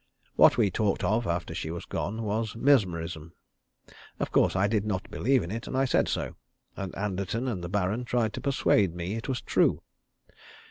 What we talked of after she was gone was mesmerism. Of course I did not believe in it, and I said so; and Anderton and the Baron tried to persuade me it was true.